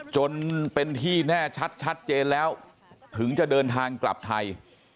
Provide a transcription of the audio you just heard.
จนเป็นที่แน่ชัดชัดเจนแล้วถึงจะเดินทางกลับไทย